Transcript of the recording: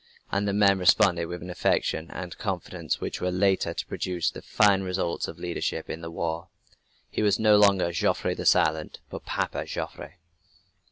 And the men responded with an affection and a confidence which were later to produce the fine results of leadership in the War. He was no longer "Joffre the Silent," but "Papa Joffre."